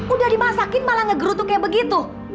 udah dimasakin malah ngegerutuk kayak begitu